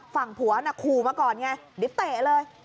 ฝั่งผัวน่ะขู่มาก่อนไงเดี๋ยวเตะเลย